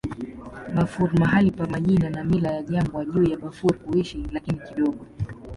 Bafur mahali pa majina na mila ya jangwa juu ya Bafur kuishi, lakini kidogo.